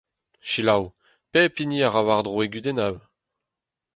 Selaou, pep hini a ra war-dro e gudennoù !